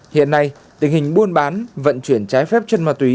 hiện nay tình hình buôn bán vận chuyển trái phép chân ma túy